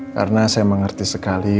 karena saya mengerti sekali